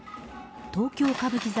東京・歌舞伎座